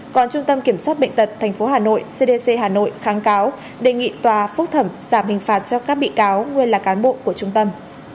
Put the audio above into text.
còn trung tâm kiểm soát bệnh tật tp hà nội cdc hà nội kháng cáo đề nghị tòa phúc thẩm giảm hình phạt cho các bị cáo nguyên là cán bộ của trung tâm